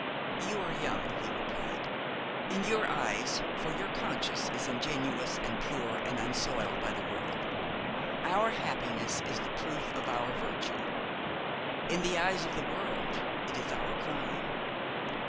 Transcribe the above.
"You are young," he replied, "in your eyes, for your conscience is ingenuous and pure and unsoiled by the world, our happiness is the proof of our virtue; in the eyes of the world it is our crime.